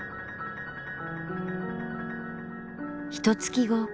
ひとつき後。